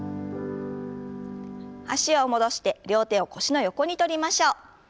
脚を戻して両手を腰の横にとりましょう。